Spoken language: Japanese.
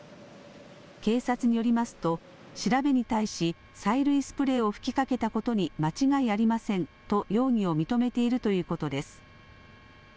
警察によりますと調べに対し催涙スプレーを吹きかけたことに間違いありませんと容疑を認めているということです。